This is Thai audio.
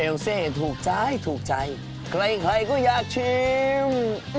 เซถูกใจถูกใจใครใครก็อยากชิม